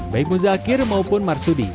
baik muzakir maupun marsudi